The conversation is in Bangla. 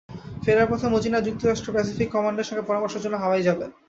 ফেরার পথে মজীনা যুক্তরাষ্ট্র প্যাসিফিক কমান্ডের সঙ্গে পরামর্শের জন্য হাওয়াই যাবেন।